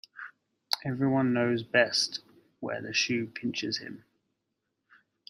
Every one knows best where the shoe pinches him.